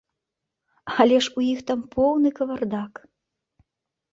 Але ж у іх там поўны кавардак!